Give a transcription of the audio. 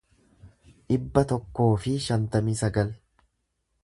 dhibba tokkoo fi shantamii sagal